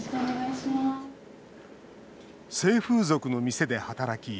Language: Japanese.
性風俗の店で働き